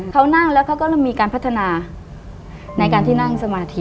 เขานั่งแล้วเขาก็เริ่มมีการพัฒนาในการที่นั่งสมาธิ